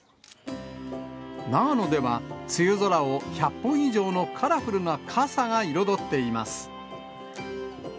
長野では、梅雨空を１００本以上のカラフルな傘が彩っています。